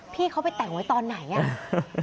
พี่เขาไปแต่งไว้ตอนไหนอ่ะ